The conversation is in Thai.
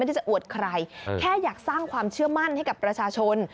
ที่จะอวดใครแค่อยากสร้างความเชื่อมั่นให้กับประชาชน